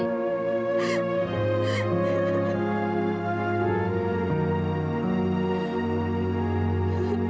aku bisa menentukan hidupku sendiri